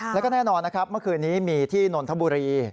แล้วก็แน่นอนนะครับเมื่อคืนนี้มีที่นนทบุรี